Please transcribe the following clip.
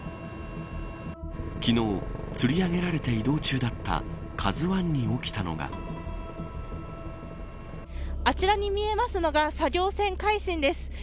昨日、つり上げられて移動中だったあちらに見えますのが作業船海進です。